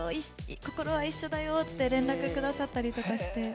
心は一緒だよ！って連絡くださったりとかして。